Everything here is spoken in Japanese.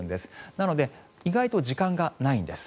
なので、意外と時間がないんです。